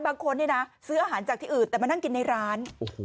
บางคนเนี่ยนะซื้ออาหารจากที่อื่นแต่มานั่งกินในร้าน